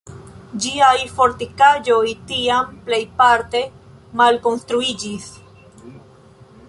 Ĝiaj fortikaĵoj tiam plejparte malkonstruiĝis.